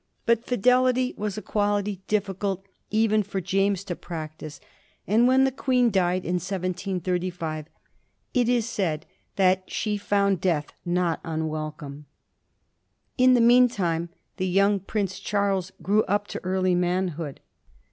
But fidelity was a quality difficult enough for James to practise, and when the Queen died in 1735 it is said that she found death not unwelcome. In the mean time the young Prince Charles grew up to early manhood.